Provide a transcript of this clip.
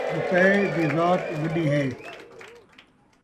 روپئے دی ذات وݙی ہے